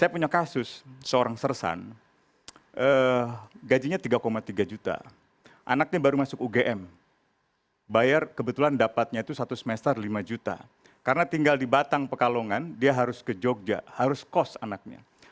saya punya kasus seorang sersan gajinya tiga tiga juta anaknya baru masuk ugm bayar kebetulan dapatnya itu satu semester lima juta karena tinggal di batang pekalongan dia harus ke jogja harus kos anaknya